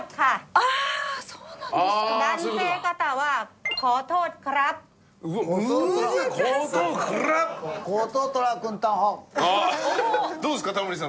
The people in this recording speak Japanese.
あっそうですね。